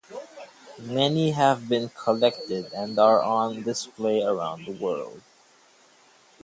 Many have been collected and are on display around the world.